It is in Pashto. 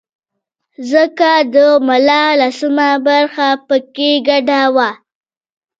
ځکه د ملا لسمه برخه په کې ګډه وه.